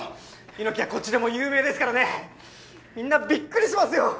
猪木はこっちでも有名ですからねみんなびっくりしますよ。